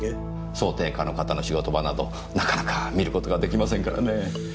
装丁家の方の仕事場などなかなか見る事ができませんからねぇ。